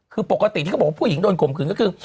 คือปกติที่เขาบอกว่าผู้หญิงโดนข่มขืนก็คือ